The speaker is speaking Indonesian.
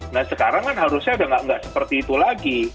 nah sekarang kan harusnya udah nggak seperti itu lagi